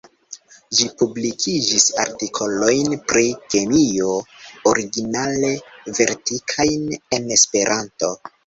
Ĝi publikigis artikolojn pri kemio originale verkitajn en Esperanto.